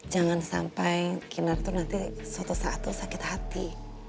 jangan sampai kinar tuh nanti suatu saat sakit hati